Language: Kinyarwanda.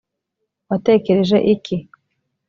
watekereje iki